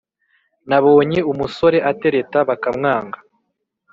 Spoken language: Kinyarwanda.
nabonye umusore atereta bakamwanga